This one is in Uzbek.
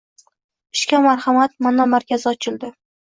“Ishga marhamat” monomarkazi ochildi